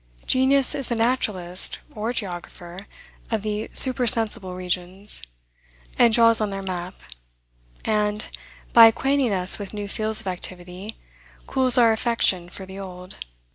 Genius is the naturalist or geographer of the supersensible regions, and draws on their map; and, by acquainting us with new fields of activity, cools our affection for the old.